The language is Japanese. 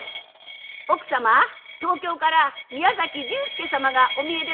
「奥様東京から宮崎龍介様がお見えでございます」。